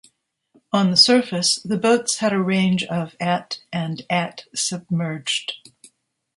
On the surface, the boats had a range of at and at submerged.